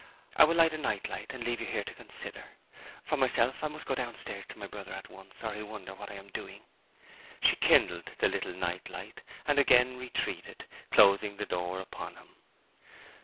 I will light a night light, and leave you here to consider. For myself, I must go downstairs to my brother at once, or he'll wonder what I am doing.' She kindled the little light, and again retreated, closing the door upon him.